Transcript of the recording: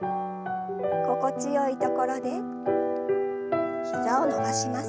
心地よいところで膝を伸ばします。